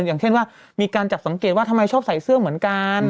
อย่างเช่นว่ามีการจับสังเกตว่าทำไมชอบใส่เสื้อเหมือนกัน